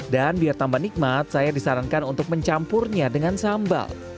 dan biar tambah nikmat saya disarankan untuk mencampurnya dengan sambal